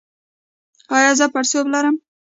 ایا زه پړسوب لرم؟